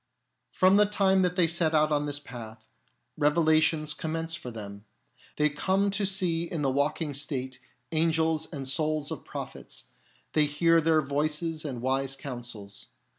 From the time that they set out on this path, revelations commence for them. They come to see in the waking state angels and souls of pro phets ; they hear their voices and wise counsels.